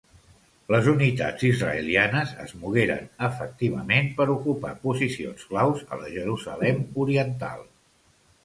Les unitats israelianes es mogueren efectivament per ocupar posicions claus a la Jerusalem Oriental.